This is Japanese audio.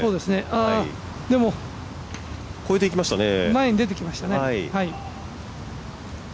前に出てきましたね。